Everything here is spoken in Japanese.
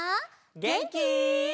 げんき？